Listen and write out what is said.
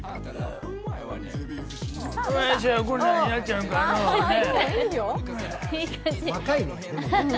わしゃ、こんなになっちゃうかの。